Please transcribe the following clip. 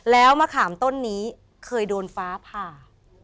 แล้วมะขามต้นนี้เคยโดนฟ้าผ่า